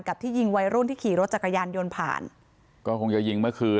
ที่ยิงวัยรุ่นที่ขี่รถจักรยานยนต์ผ่านก็คงจะยิงเมื่อคืน